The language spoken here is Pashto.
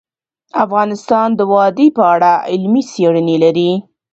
افغانستان د وادي په اړه علمي څېړنې لري.